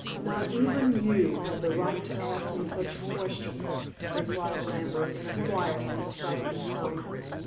"Not even you have the right to ask me such a question," replied Lambert in a quiet and decisive tone.